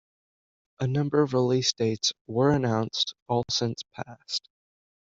A number of release dates were announced, all since passed.